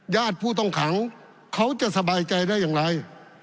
ผู้ต้องขังเขาจะสบายใจได้อย่างไร